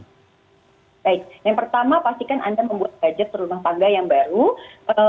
baik yang pertama pastikan anda membuat budget rumah tangga yang baru